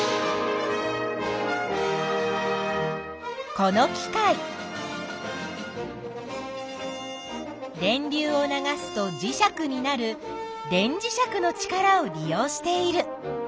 この機械電流を流すと磁石になる電磁石の力を利用している。